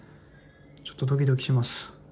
ちょっとドキドキします。